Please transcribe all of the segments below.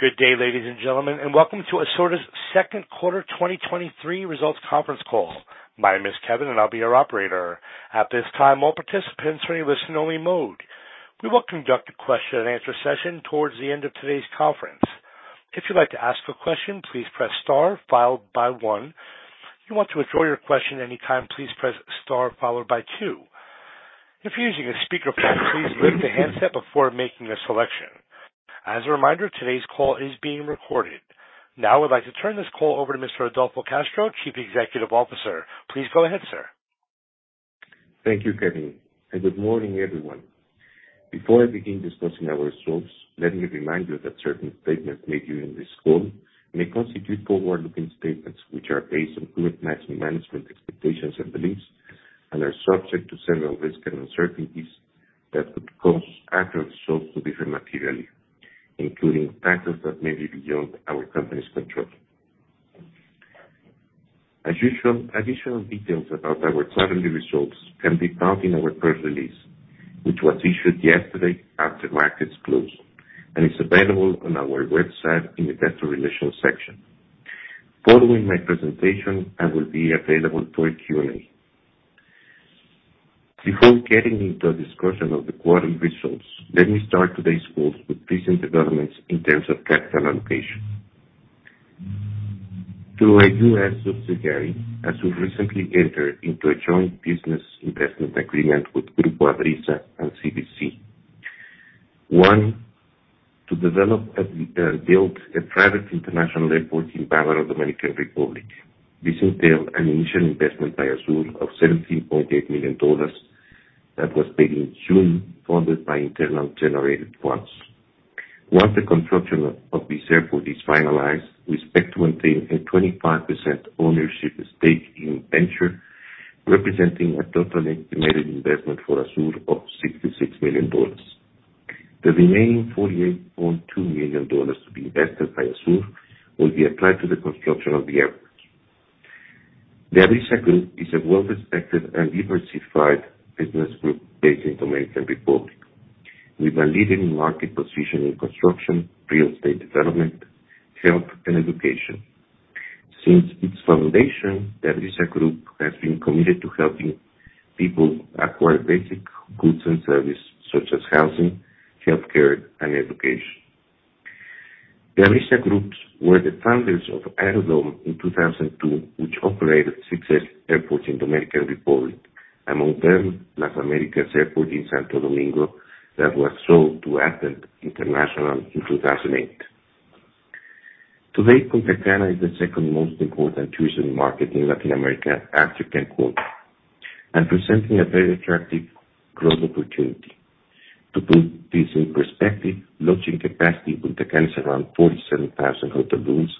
Good day, ladies and gentlemen, welcome to ASUR's second quarter 2023 results conference call. My name is Kevin. I will be your operator. At this time, all participants are in listen-only mode. We will conduct a question-and-answer session towards the end of today's conference. If you would like to ask a question, please press star followed by one. If you want to withdraw your question at any time, please press star followed by two. If you are using a speakerphone, please lift the handset before making a selection. As a reminder, today's call is being recorded. I would like to turn this call over to Mr. Adolfo Castro, Chief Executive Officer. Please go ahead, sir. Thank you, Kevin. Good morning, everyone. Before I begin discussing our results, let me remind you that certain statements made during this call may constitute forward-looking statements, which are based on current management expectations and beliefs and are subject to several risks and uncertainties that could cause actual results to differ materially, including factors that may be beyond our company's control. As usual, additional details about our quarterly results can be found in our press release, which was issued yesterday after market close and is available on our website in the Investor Relations section. Following my presentation, I will be available for a Q&A. Before getting into a discussion of the quarter results, let me start today's call with recent developments in terms of capital allocation. Through a US subsidiary, we have recently entered into a joint business investment agreement with Grupo Abrisa and CVC ONE. One, to develop and build a private international airport in Bávaro, Dominican Republic. This entailed an initial investment by AZUR of $17.8 million that was paid in June, funded by internally generated funds. Once the construction of this airport is finalized, we expect to maintain a 25% ownership stake in the venture, representing a total estimated investment for AZUR of $66 million. The remaining $48.2 million to be invested by AZUR will be applied to the construction of the airport. The Abrisa Group is a well-respected and diversified business group based in the Dominican Republic, with a leading market position in construction, real estate development, health, and education. Since its foundation, the Abrisa Group has been committed to helping people acquire basic goods and services such as housing, healthcare, and education. The Abrisa Group were the founders of Aerodom in 2002, which operated successful airports in the Dominican Republic, among them, Las Américas Airport in Santo Domingo, that was sold to Advent International in 2008. Today, Punta Cana is the second most important tourism market in Latin America after Cancun and presents a very attractive growth opportunity. To put this in perspective, lodging capacity in Punta Cana is around 47,000 hotel rooms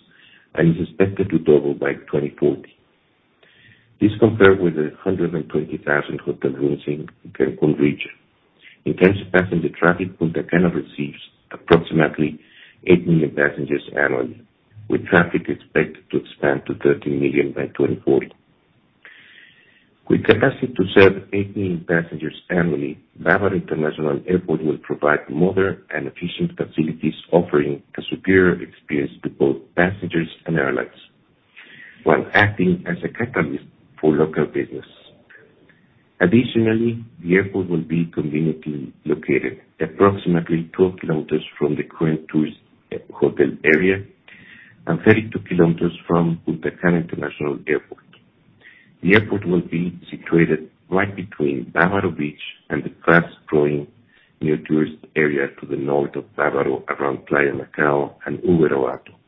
and is expected to double by 2040. This compares with 120,000 hotel rooms in the Cancun region. In terms of passenger traffic, Punta Cana receives approximately 8 million passengers annually, with traffic expected to expand to 13 million by 2040. With capacity to serve 8 million passengers annually, Bávaro International Airport will provide modern and efficient facilities, offering a superior experience to both passengers and airlines, while acting as a catalyst for local business. The airport will be conveniently located approximately 12 kilometers from the current tourist hotel area and 32 kilometers from Punta Cana International Airport. The airport will be situated right between Bávaro Beach and the fast-growing new tourist area to the north of Bávaro, around Playa Macao and Uvero Alto.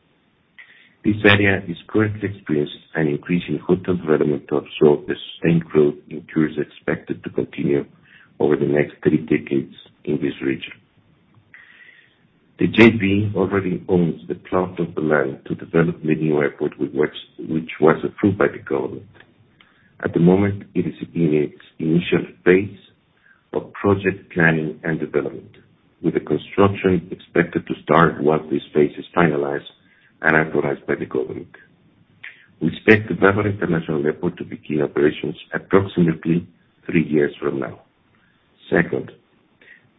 This area is currently experiencing an increase in hotel development to absorb the same growth in tourists expected to continue over the next three decades in this region. The JV already owns the plot of land to develop the new airport, which was approved by the government. At the moment, it is in its initial phase of project planning and development, with the construction expected to start once this phase is finalized and authorized by the government. We expect Bávaro International Airport to begin operations approximately three years from now. Second,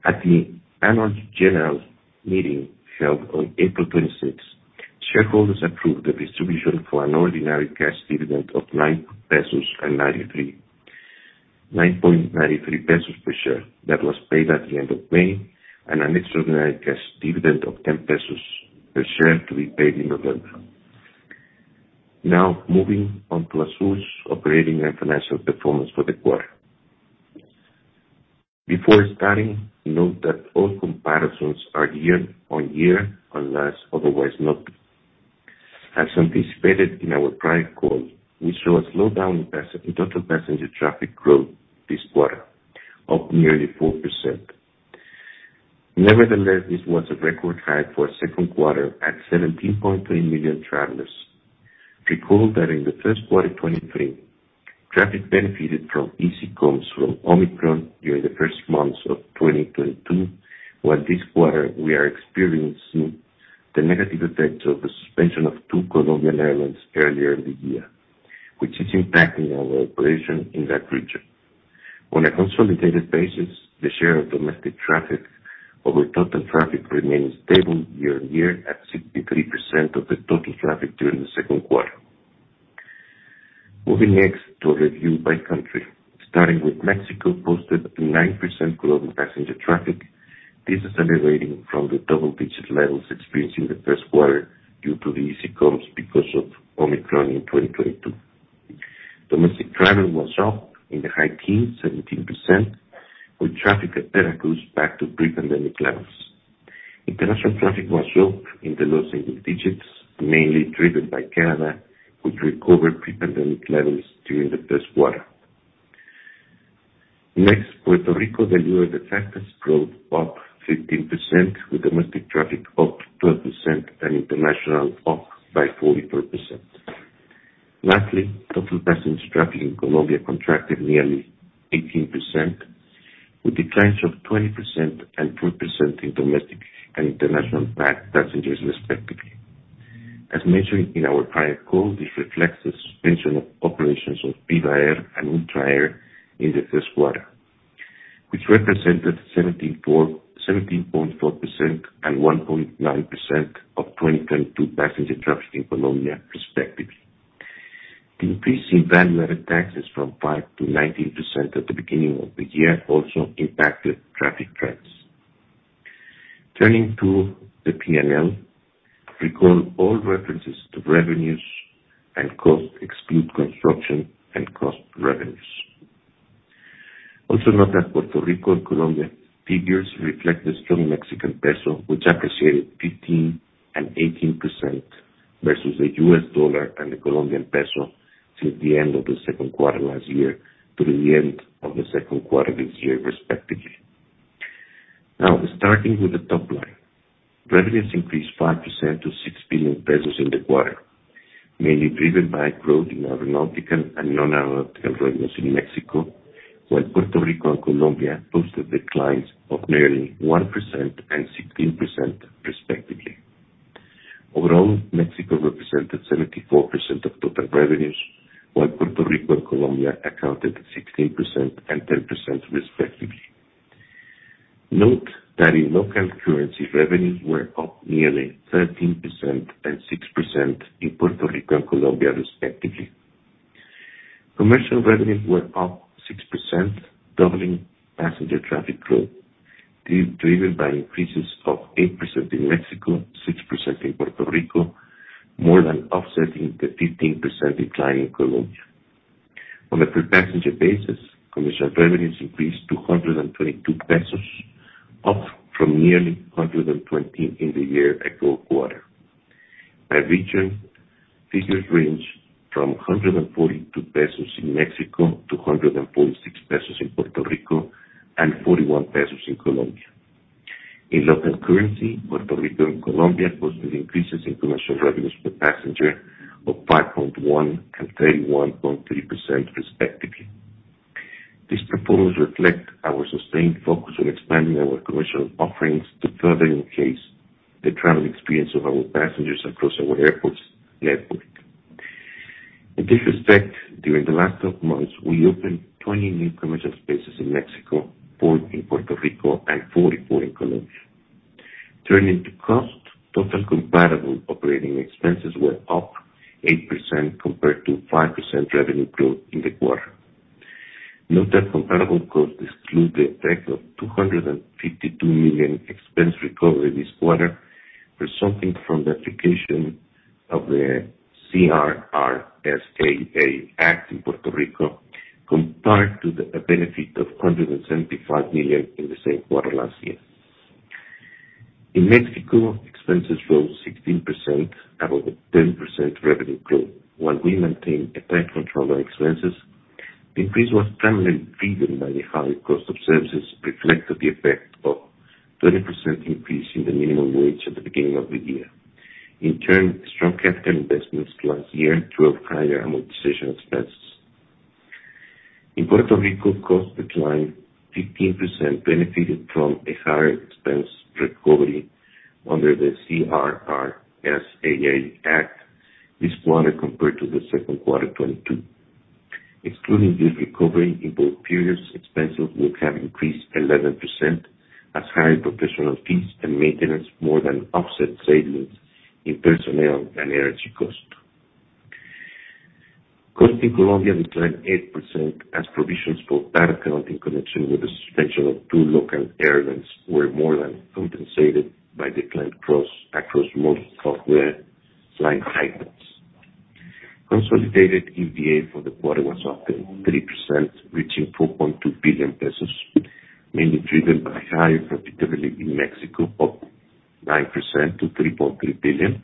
at the annual general meeting held on 26 April, shareholders approved the distribution of an ordinary cash dividend of 9.93 pesos per share and an extraordinary cash dividend of 10 pesos per share, to be paid in November. Now, moving on to Azul's operating and financial performance for the quarter. Before starting, note that all comparisons are year-on-year, unless otherwise noted. As anticipated in our prior call, we saw a slowdown in total passenger traffic growth this quarter of nearly 4%. This was a record high for a second quarter at 17.3 million travelers. Recall that in the first quarter 2023, traffic benefited from easy comps from Omicron during the first months of 2022, while this quarter we are experiencing the negative effects of the suspension of two Colombian airlines earlier in the year, which is impacting our operations in that region. On a consolidated basis, the share of domestic traffic over total traffic remains stable year-over-year at 63% of total traffic during the second quarter. Moving next to a review by country, starting with Mexico, we posted 9% growth in passenger traffic. This is moderating from the double-digit levels experienced in the first quarter due to the easy comps because of Omicron in 2022. Domestic travel was up in the high teens, 17%, with traffic at TERRA back to pre-pandemic levels. International traffic was up in the low single digits, mainly driven by Canada, which recovered pre-pandemic levels during the first quarter. Puerto Rico and the US posted growth of 15%, with domestic traffic up 12% and international traffic up 43%. Total passenger traffic in Colombia contracted nearly 18%, with declines of 20% and 4% in domestic and international passengers, respectively. As mentioned in our prior call, this reflects the suspension of operations of Viva Air and Ultra Air in the first quarter, which represented 17.4% and 1.9% of 2022 passenger traffic in Colombia, respectively. The increase in value-added taxes from 5% to 19% at the beginning of the year also impacted traffic trends. Turning to the P&L, recall all references to revenues and costs exclude construction revenues and construction costs. Also note that Puerto Rico and Colombia figures reflect the strong Mexican peso, which appreciated 15% and 18% versus the US dollar and the Colombian peso since the end of the second quarter last year through the end of the second quarter this year, respectively. Now, starting with the top line, revenues increased 5% to 6 billion pesos in the quarter, mainly driven by growth in our aeronautical and non-aeronautical revenues in Mexico, while Puerto Rico and Colombia posted declines of nearly 1% and 16%, respectively. Overall, Mexico represented 74% of total revenues, while Puerto Rico and Colombia accounted for 16% and 10%, respectively. Note that in local currency, revenues were up nearly 13% and 6% in Puerto Rico and Colombia, respectively. Commercial revenues were up 6%, doubling passenger traffic growth, driven by increases of 8% in Mexico, 6% in Puerto Rico, more than offsetting the 15% decline in Colombia. On a per passenger basis, commercial revenues increased to 122 pesos, up from nearly 120 in the year ago quarter. By region, figures range from 142 pesos in Mexico to 146 pesos in Puerto Rico and 41 pesos in Colombia. In local currency, Puerto Rico and Colombia posted increases in commercial revenues per passenger of 5.1% and 31.3%, respectively. These proposals reflect our sustained focus on expanding our commercial offerings to further enhance the travel experience of our passengers across our airports network. In this respect, during the last 12 months, we opened 20 new commercial spaces in Mexico, 4 in Puerto Rico, and 44 in Colombia. Turning to cost, total comparable operating expenses were up 8% compared to 5% revenue growth in the quarter. Note that comparable costs exclude the effect of 252 million expense recovery this quarter, resulting from the application of the CRRSAA Act in Puerto Rico, compared to the benefit of 175 million in the same quarter last year. In Mexico, expenses rose 16%, above the 10% revenue growth. While we maintain tight control on expenses, the increase was primarily driven by the high cost of services, reflecting the effect of a 20% increase in the minimum wage at the beginning of the year. In turn, strong capital investments last year drove higher amortization expenses. In Puerto Rico, costs declined 15%, benefiting from a higher expense recovery under the CRRSAA Act this quarter compared to 2Q22. Excluding this recovery in both periods, expenses would have increased 11%, as higher professional fees and maintenance more than offset savings in personnel and energy costs. Costs in Colombia declined 8%, as provisions for bad debt in connection with the suspension of two local airlines were more than compensated by declines across most of the line items. Consolidated EBITDA for the quarter was up 3%, reaching 4.2 billion pesos, mainly driven by higher profitability in Mexico, up 9% to 3.3 billion.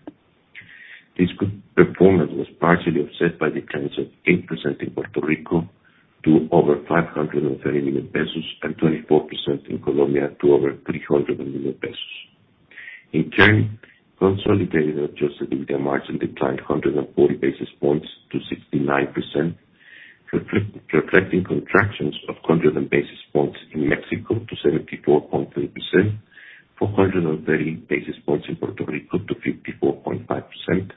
In turn, consolidated adjusted EBITDA margin declined 140 basis points to 69%, reflecting contractions of 100 basis points in Mexico to 74.3%, 430 basis points in Puerto Rico to 54.5%,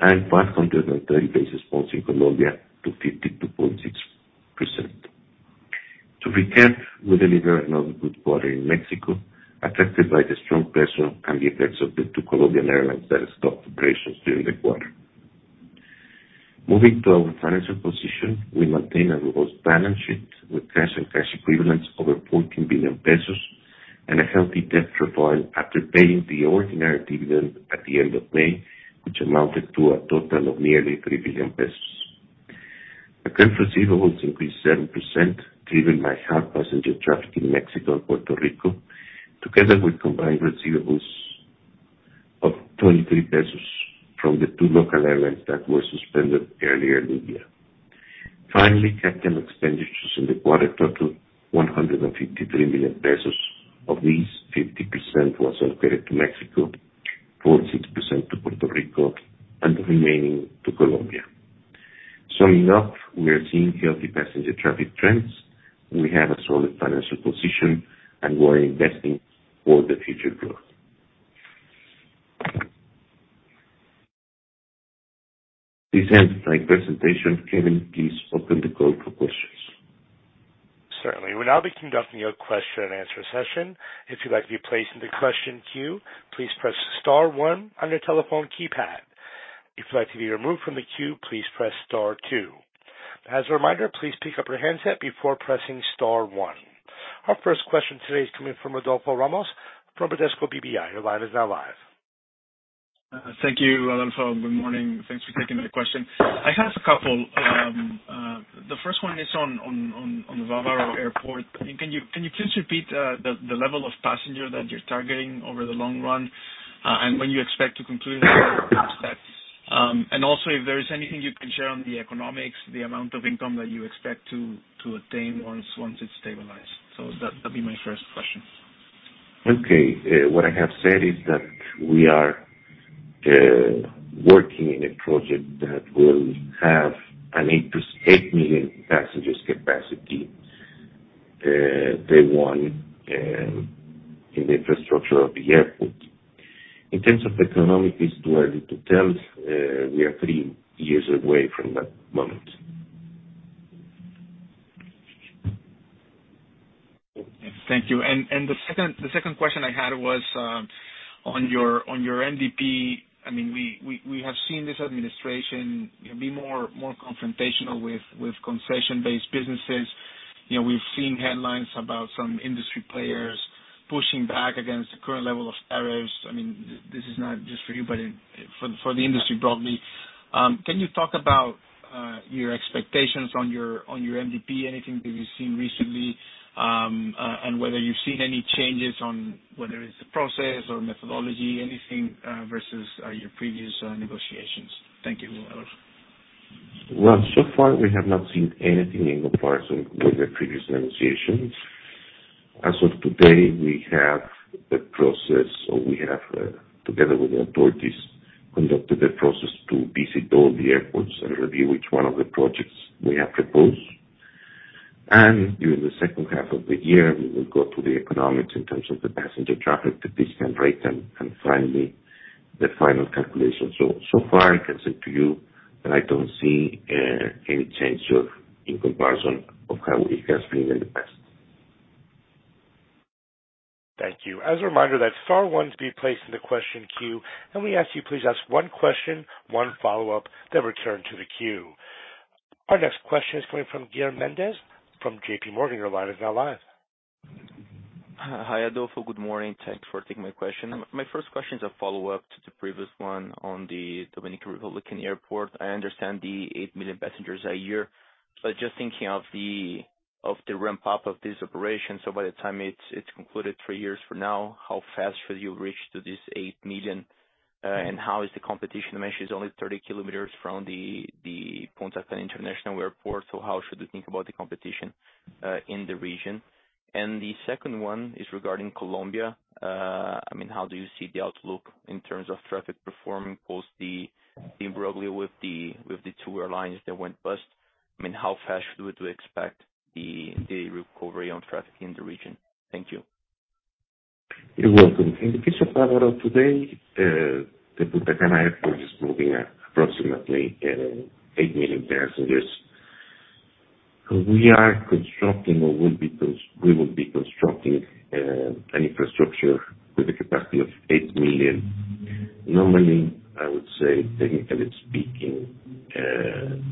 and 530 basis points in Colombia to 52.6%. To be clear, we delivered another good quarter in Mexico, affected by the strong peso and the effects of the two Colombian airlines that stopped operations during the quarter. Moving to our financial position, we maintain a robust balance sheet with cash and cash equivalents over 14 billion pesos and a healthy debt profile after paying the ordinary dividend at the end of May, which amounted to a total of nearly 3 billion pesos. Accounts receivable increased 7%, driven by half passenger traffic in Mexico and Puerto Rico, together with combined receivables of 23 pesos from the two local airlines that were suspended earlier in the year. Capital expenditures in the quarter totaled 153 million pesos. Of these, 50% was allocated to Mexico, 46% to Puerto Rico, and the remaining to Colombia. We are seeing healthy passenger traffic trends, we have a solid financial position, and we are investing for the future growth. This ends my presentation. Kevin, please open the call for questions. Certainly. We're now beginning conducting your question and answer session. If you'd like to be placed in the question queue, please press star one on your telephone keypad. If you'd like to be removed from the queue, please press star two. As a reminder, please pick up your handset before pressing star one. Our first question today is coming from Rodolfo Ramos, from Bradesco BBI. Your line is now live. Thank you, Adolfo. Good morning. Thanks for taking my question. I have a couple. The first one is on the Bávaro Airport. Can you please repeat, the level of passenger that you're targeting over the long run, and when you expect to conclude, and also, if there is anything you can share on the economics, the amount of income that you expect to attain once it's stabilized? That'd be my first question. Okay. What I have said is that we are working in a project that will have an 8 to 8 million passengers capacity day 1 in the infrastructure of the airport. In terms of economics, it's too early to tell. We are 3 years away from that moment. Thank you. The second question I had was on your MDP. I mean, we have seen this administration, you know, be more confrontational with concession-based businesses. You know, we've seen headlines about some industry players pushing back against the current level of tariffs. I mean, this is not just for you, but it for the industry broadly. Can you talk about your expectations on your MDP? Anything that you've seen recently, and whether you've seen any changes on whether it's the process or methodology, anything versus your previous negotiations? Thank you, Adolfo. So far, we have not seen anything in comparison with the previous negotiations. As of today, we have the process, or we have together with the authorities, conducted a process to visit all the airports and review each one of the projects we have proposed. During the second half of the year, we will go to the economics in terms of the passenger traffic, the discount rate, and finally, the final calculation. So far, I can say to you that I don't see any change in comparison of how it has been in the past. Thank you. As a reminder, that star 1 be placed in the question queue. We ask you please ask 1 question, 1 follow-up, then return to the queue. Our next question is coming from Guilherme Mendes from J.P. Morgan. Your line is now live. Hi, Adolfo. Good morning. Thanks for taking my question. My first question is a follow-up to the previous one on the Dominican Republic airport. I understand the 8 million passengers a year, but just thinking of the ramp-up of this operation, so by the time it's concluded three years from now, how fast will you reach this 8 million? How is the competition? I mean, it's only 30 kilometers from the Punta Cana International Airport, so how should we think about the competition in the region? The second one is regarding Colombia. I mean, how do you see the outlook in terms of traffic performing post the embroglio with the two airlines that went bust? I mean, how fast would we expect the recovery in traffic in the region? Thank you. You're welcome. In the case of Bávaro today, the Punta Cana Airport is moving at approximately 8 million passengers. We are constructing, or we will be constructing, an infrastructure with a capacity of 8 million. Normally, I would say, technically speaking,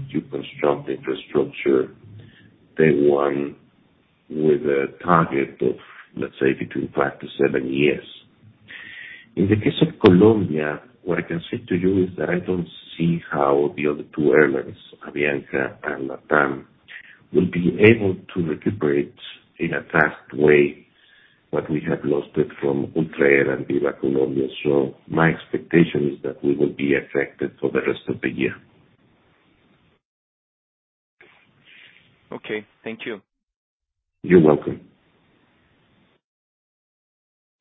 you construct the infrastructure day one with a target of, let's say, between five to seven years. In the case of Colombia, what I can say to you is that I don't see how the other two airlines, Avianca and LATAM, will be able to recuperate in a fast way what we have lost from Ultra Air and Viva Colombia. My expectation is that we will be affected for the rest of the year. Okay. Thank you. You're welcome.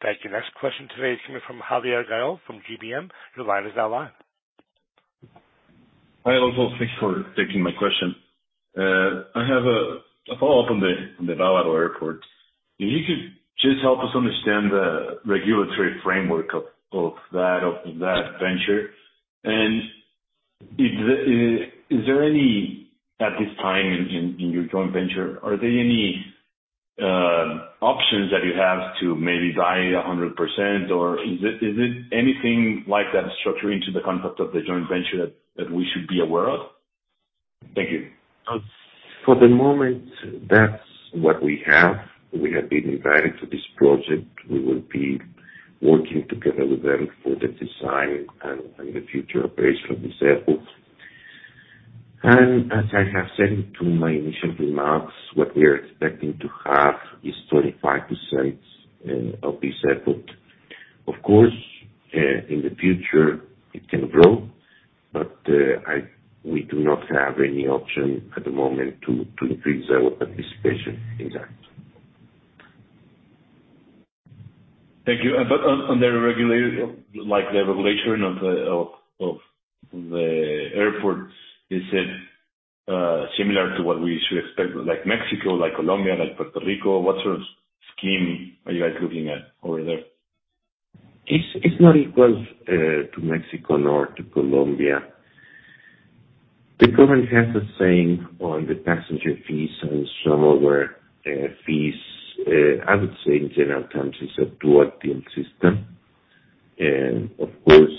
Thank you. Next question today is coming from Javier Gayol from GBM. Your line is now live. Hi, Adolfo. Thanks for taking my question. I have a follow-up on the Bávaro airport. If you could just help us understand the regulatory framework of that venture, is there any, at this time in your joint venture, are there any options that you have to maybe buy 100%, or is it anything like that structure into the concept of the joint venture that we should be aware of? Thank you. For the moment, that's what we have. We have been invited to this project. We will be working together with them for the design and the future operation of this airport. As I have said to my initial remarks, what we are expecting to have is 35% of this airport. Of course, in the future, it can grow, we do not have any option at the moment to increase our participation in that. Thank you. On the regulation of the airport, is it similar to what we should expect, like Mexico, like Colombia, like Puerto Rico? What sort of scheme are you guys looking at over there? It's not equal to Mexico nor to Colombia. The government has a say on the passenger fees and some other fees. I would say in general terms, it's a dual-till system, and of course,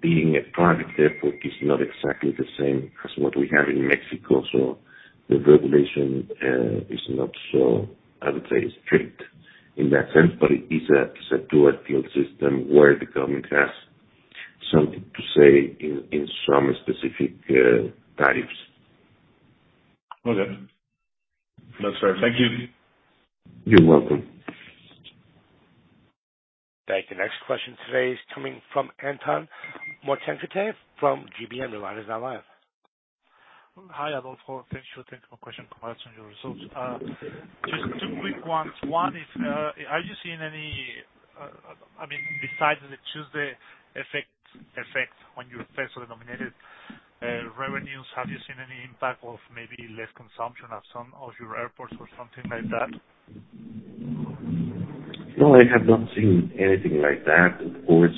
being a private airport is not exactly the same as what we have in Mexico, so the regulation is not so, I would say, strict in that sense. But it's a dual-till system where the government has something to say in some specific tariffs. Okay. That's fair. Thank you. You're welcome. Thank you. Next question today is coming from Anton Mortenkotter from GBM. Your line is now live. Hi, Adolfo. Thanks for taking my question from us on your results. Just two quick ones. One is, I mean, besides the Tuesday effect on your peso-denominated revenues, have you seen any impact of maybe less consumption at some of your airports or something like that? No, I have not seen anything like that. Of course,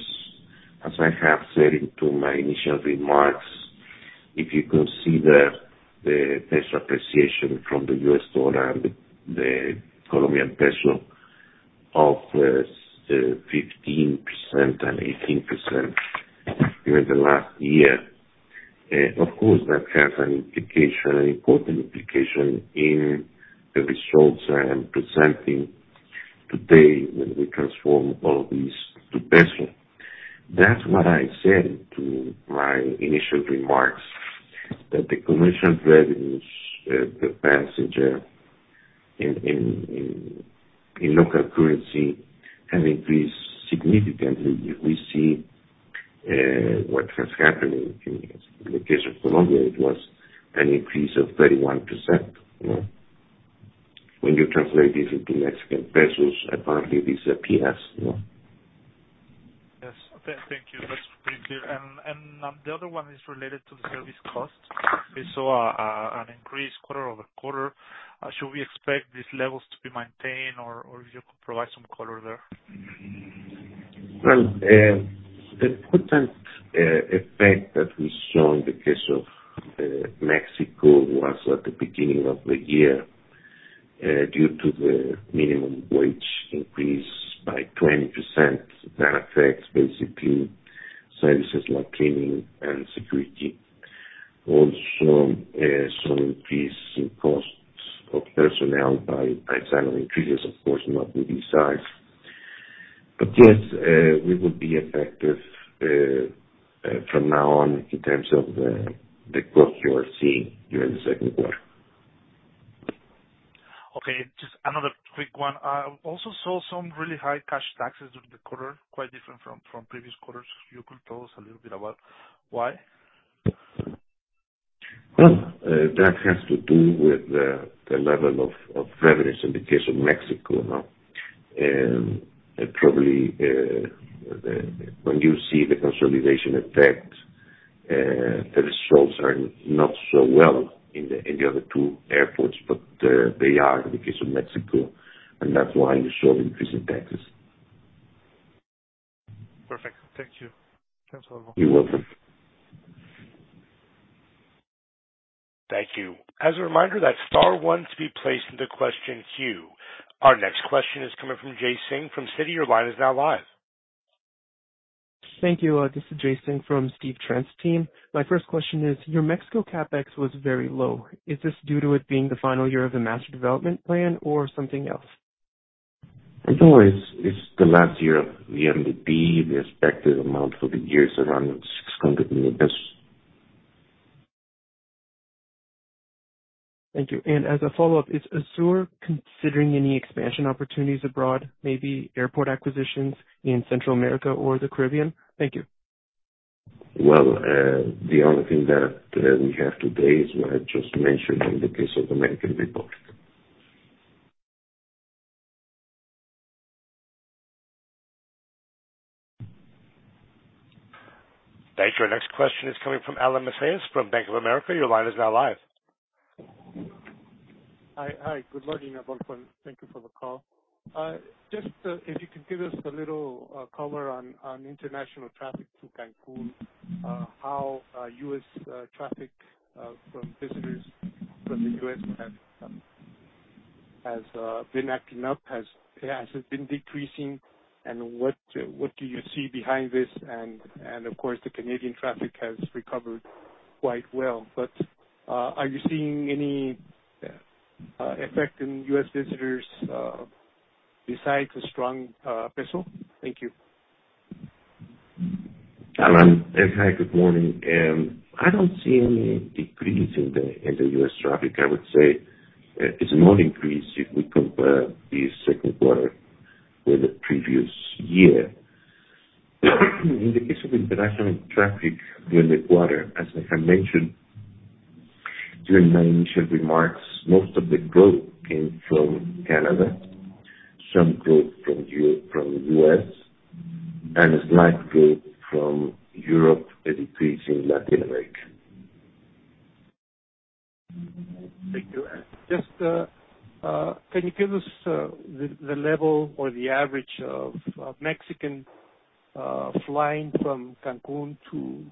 as I have said in to my initial remarks, if you consider the peso appreciation from the US dollar and the Colombian peso of 15% and 18% during the last year, of course, that has an implication, an important implication, in the results I am presenting today, when we transform all of these to peso. That's what I said to my initial remarks, that the commercial revenues, the passenger in local currency have increased significantly. If we see what has happened in the case of Colombia, it was an increase of 31%. When you translate this into Mexican pesos, apparently this appears, you know? Yes. Thank you. That's pretty clear. The other one is related to the service cost. We saw an increase quarter-over-quarter. Should we expect these levels to be maintained or if you could provide some color there? Well, the important effect that we saw in the case of Mexico was at the beginning of the year, due to the minimum wage increase by 20%. That affects basically services like cleaning and security. Also, some increase in costs of personnel by salary increases, of course, not with this size. Yes, we will be affected from now on, in terms of the growth you are seeing during the 2Q. Okay, just another quick one. I also saw some really high cash taxes during the quarter, quite different from previous quarters. You could tell us a little bit about why? Well, that has to do with the level of revenues in the case of Mexico now. Probably, when you see the consolidation effect, the results are not so well in the other two airports, but they are in the case of Mexico, and that's why you saw an increase in taxes. Perfect. Thank you. Thanks, Adolfo. You're welcome. Thank you. As a reminder, that's star one to be placed in the question queue. Our next question is coming from Jay Singh from Citi. Your line is now live. Thank you. This is Jay Singh from Stephen Trent team. My first question is, your Mexico CapEx was very low. Is this due to it being the final year of the Master Development Plan or something else? No, it's the last year of the MDP. The expected amount for the year is around 600 million pesos. Thank you. As a follow-up, is ASUR considering any expansion opportunities abroad, maybe airport acquisitions in Central America or the Caribbean? Thank you. Well, the only thing that we have today is what I just mentioned in the case of Aerodom. Thank you. Our next question is coming from Alan Macias from Bank of America. Your line is now live. Hi. Hi. Good morning, everyone. Thank you for the call. Just if you could give us a little color on international traffic to Cancun, how U.S. traffic from visitors from the U.S. has been acting up? Has it been decreasing? What do you see behind this? Of course, the Canadian traffic has recovered quite well, but are you seeing any effect in U.S. visitors besides a strong peso? Thank you. Alan, hi, good morning. I don't see any decrease in the U.S. traffic. I would say, it's a small increase if we compare the second quarter with the previous year. In the case of international traffic during the quarter, as I had mentioned during my initial remarks, most of the growth came from Canada, some growth from the U.S., and a slight growth from Europe, a decrease in Latin America. Thank you. Just, can you give us the level or the average of Mexican flying from Cancun to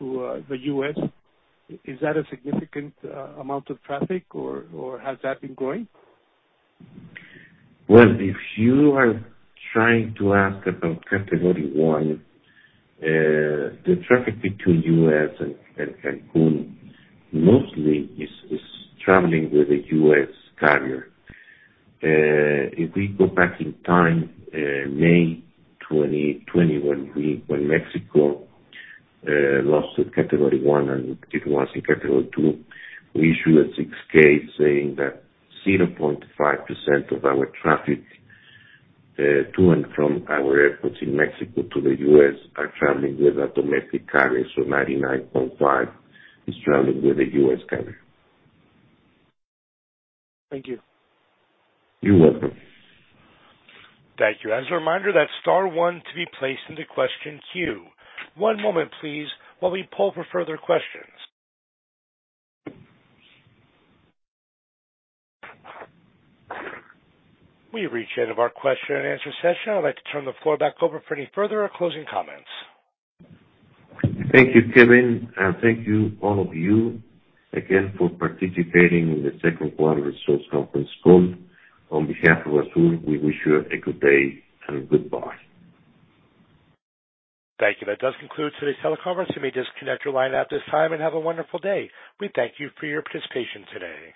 the US? Is that a significant amount of traffic, or has that been growing? Well, if you are trying to ask about Category 1, the traffic between U.S. and Cancun mostly is traveling with a U.S. carrier. If we go back in time, May 2021, when Mexico lost its Category 1, and it was in Category 2, we issued a 6-K saying that 0.5% of our traffic to and from our airports in Mexico to the U.S. are traveling with a domestic carrier. 99.5% is traveling with a U.S. carrier. Thank you. You're welcome. Thank you. As a reminder, that's star one to be placed into question queue. One moment, please, while we poll for further questions. We've reached the end of our question and answer session. I'd like to turn the floor back over for any further or closing comments. Thank you, Kevin, and thank you, all of you, again for participating in the second quarter results conference call. On behalf of Azul, we wish you a good day and goodbye. Thank you. That does conclude today's teleconference. You may disconnect your line at this time and have a wonderful day. We thank you for your participation today.